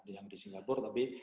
yang di singapura tapi